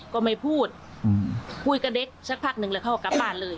ก็ไม่พูดคุยกับเด็กสักพักหนึ่งแล้วเขาก็กลับบ้านเลย